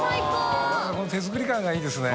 燭この手作り感がいいですね。